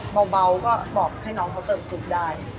เบาก็บอกให้น้องเขาเติบซุปได้